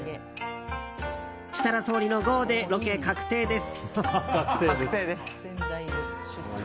設楽総理のＧＯでロケ確定です。